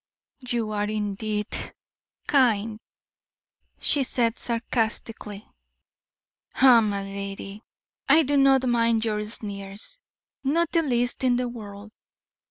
"You are, indeed, kind," she said, sarcastically. "Ah, my lady, I do not mind your sneers; not the least in the world.